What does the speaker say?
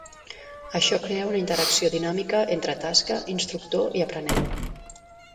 Això crea una interacció dinàmica entre tasca, instructor i aprenent.